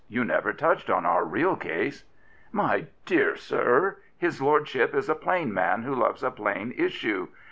You never touched on our real case." My dear sir, his lordship is a plain man who loves a plain issue.